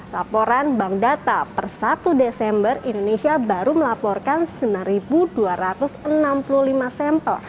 laporan bank data per satu desember indonesia baru melaporkan sembilan dua ratus enam puluh lima sampel